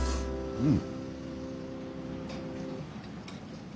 うん。